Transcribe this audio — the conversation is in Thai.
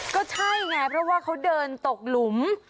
ก็ใช่ไงเพราะว่าเขาเดินตกหลุม